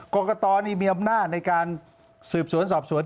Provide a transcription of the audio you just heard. กรกตนี่มีอำนาจในการสืบสวนสอบสวน